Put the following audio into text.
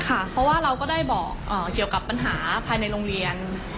เพราะว่าเราก็ได้บอกเกี่ยวกับปัญหาภายในโรงเรียน